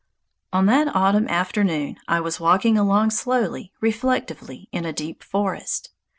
On that autumn afternoon I was walking along slowly, reflectively, in a deep forest.